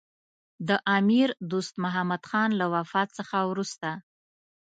د امیر دوست محمدخان له وفات څخه وروسته.